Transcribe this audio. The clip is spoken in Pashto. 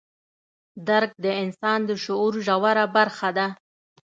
درک د انسان د شعور ژوره برخه ده.